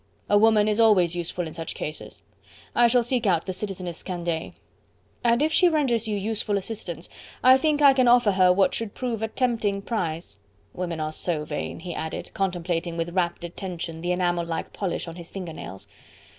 "A woman is always useful in such cases. I shall seek out the Citizeness Candeille." "And if she renders you useful assistance, I think I can offer her what should prove a tempting prize. Women are so vain!" he added, contemplating with rapt attention the enamel like polish on his finger nails.